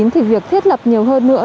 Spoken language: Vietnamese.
thì việc thiết lập nhiều hơn nữa